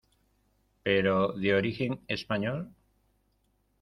¿ pero de origen español?